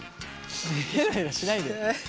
ヘラヘラしないで。